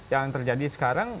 yang terjadi sekarang